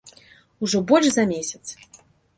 Ужо больш за месяц.